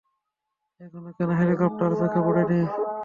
এখনো কোনো হেলিকপ্টার চোখে পড়েনি।